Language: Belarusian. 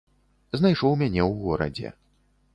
Знайшоў мяне ў горадзе.